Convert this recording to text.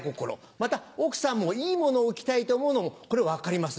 また奥さんもいいものを着たいと思うのもこれ分かります。